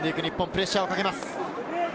プレッシャーをかけます。